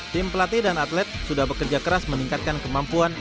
tim pelatih dan atlet sudah bekerja keras meningkatkan kemampuan